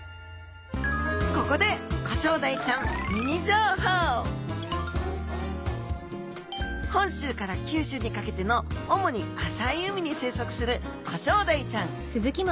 ここで本州から九州にかけての主に浅い海に生息するコショウダイちゃん。